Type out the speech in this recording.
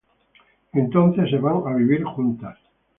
Entonces se van a vivir juntas.